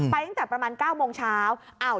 ตั้งแต่ประมาณ๙โมงเช้า